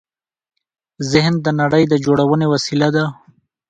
ذهن د نړۍ د جوړونې وسیله ده.